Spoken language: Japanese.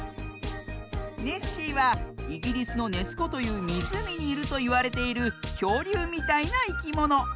ネッシーはイギリスの「ネスこ」というみずうみにいるといわれているきょうりゅうみたいないきもの。